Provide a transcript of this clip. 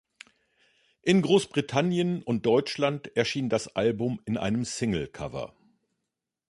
In Großbritannien und Deutschland erschien das Album in einem Singlecover.